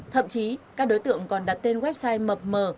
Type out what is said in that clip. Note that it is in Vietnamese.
thậm chí các đối tượng còn đặt tên website mập mờ